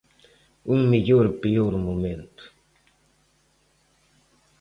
Un mellor peor momento.